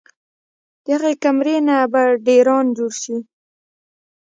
د هغې کمرې نه به ډېران جوړ شي